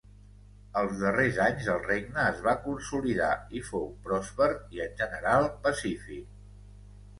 Als darrers anys el regne es va consolidar i fou pròsper i en general pacífic.